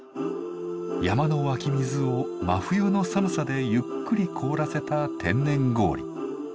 山の湧き水を真冬の寒さでゆっくり凍らせた天然氷。